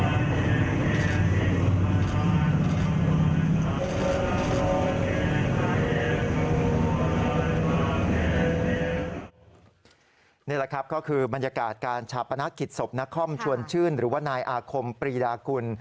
นี่แหละครับก็คือบรรยากาศการชาปนกิจศพนครชวนชื่นหรือว่านายอาคมปรีดากุล